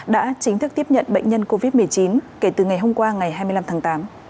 đã chính thức tiếp nhận bệnh nhân covid một mươi chín kể từ ngày hôm qua ngày hai mươi năm tháng tám